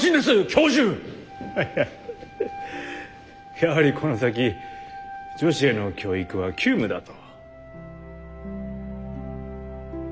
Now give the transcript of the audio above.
やはりこの先女子への教育は急務だと。